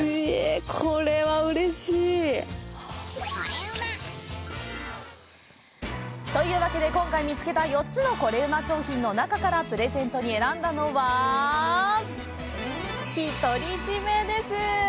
これはうれしい！というわけで、今回見つけた４つのコレうま商品の中からプレゼントに選んだのは「ひとりじめ」です！